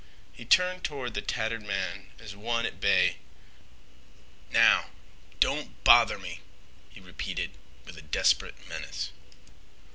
He turned toward the tattered man as one at bay. "Now, don't bother me," he repeated with desperate menace.